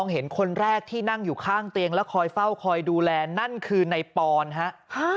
เห็นคนแรกที่นั่งอยู่ข้างเตียงแล้วคอยเฝ้าคอยดูแลนั่นคือในปอนครับ